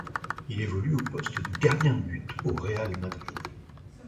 Il évolue au poste de gardien de but au Real Madrid.